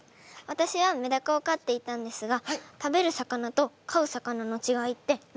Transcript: わたしはメダカを飼っていたんですが食べる魚と飼う魚の違いって何ですか？